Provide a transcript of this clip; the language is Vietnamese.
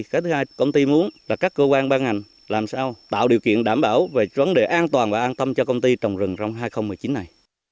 cái thứ hai công ty muốn là các cơ quan ban ngành làm sao tạo điều kiện đảm bảo về vấn đề an toàn và an tâm cho công ty trồng rừng trong hai nghìn một mươi chín này